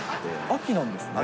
秋なんですね。